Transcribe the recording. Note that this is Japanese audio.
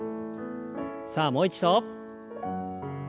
さあもう一度。